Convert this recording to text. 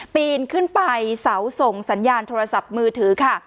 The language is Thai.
ปีนขึ้นไปเสาส่งสัญญาณโทรศัพท์มือถือค่ะ